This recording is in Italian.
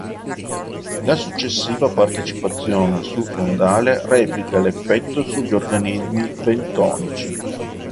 La successiva precipitazione sul fondale replica l'effetto sugli organismi bentonici.